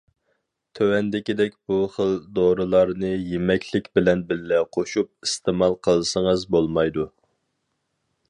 تۆۋەندىكىدەك بۇ خىل دورىلارنى يېمەكلىك بىلەن بىللە قوشۇپ ئىستېمال قىلسىڭىز بولمايدۇ!